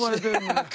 ハハハッ！